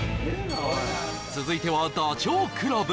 続いてはダチョウ倶楽部